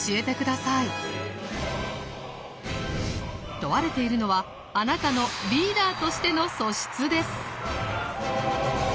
問われているのはあなたのリーダーとしての素質です。